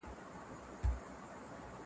زه د کتابتون لپاره کار کړي دي.